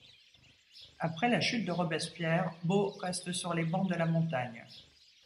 Après la chute de Robespierre, Bô reste sur les bancs de la Montagne.